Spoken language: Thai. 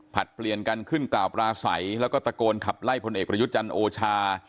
ผลัดเปลี่ยนกันขึ้นเกาะปลาใสแล้วก็ตะโกนขับไล่พลเอกปรยุทธ์จันโอชา